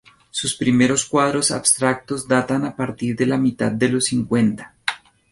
Sus primeros cuadros abstractos datan a partir de la mitad de los cincuenta.